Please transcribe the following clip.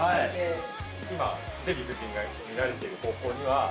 ◆今、デヴィ夫人が見られている方向には。